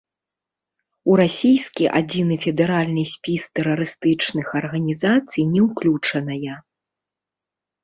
У расійскі адзіны федэральны спіс тэрарыстычных арганізацый не ўключаная.